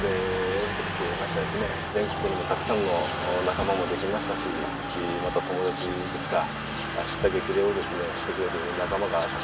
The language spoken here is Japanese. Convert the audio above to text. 全国にもたくさんの仲間もできましたしまた友達ですか叱咤激励をしてくれる仲間がたくさんいるということがですね